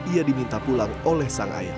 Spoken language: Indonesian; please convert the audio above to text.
ia diminta pulang oleh sang ayah